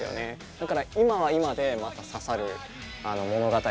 だから今は今でまた刺さる物語だったり。